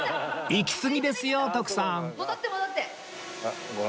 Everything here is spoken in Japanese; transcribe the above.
行きすぎですよ徳さん